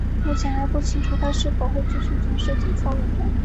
目前还不清楚她是否会继续从事体操运动。